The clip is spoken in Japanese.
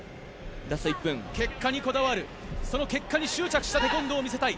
結果にこだわるその結果に執着したテコンドーを見せたい。